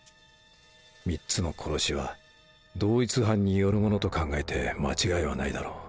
３つの殺しは同一犯によるものと考えて間違いはないだろう